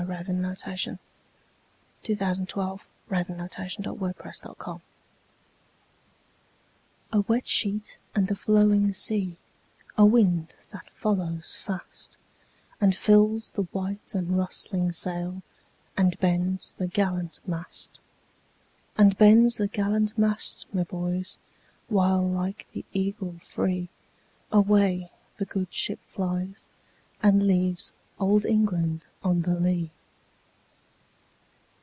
1875. Allan Cunningham CCV. "A wet sheet and a flowing sea" A WET sheet and a flowing sea,A wind that follows fastAnd fills the white and rustling sailAnd bends the gallant mast; And bends the gallant mast, my boys, While like the eagle freeAway the good ship flies, and leavesOld England on the lee.